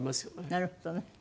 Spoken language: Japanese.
なるほどね。